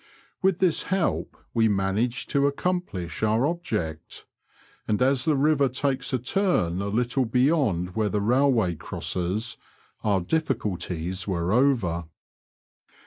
With this help we managed to accomplish our object, and as the river takes a turn a little beyond where the railway crosses, our difficulties were over.